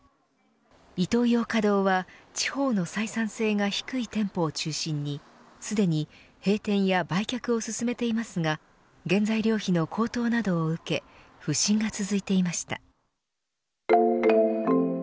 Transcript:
イトーヨーカ堂は、地方の採算性が低い店舗を中心にすでに閉店や売却を進めていますが原材料費の高騰などを受け不振が続いていました。